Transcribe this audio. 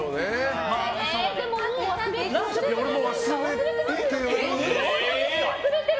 俺も忘れてるな。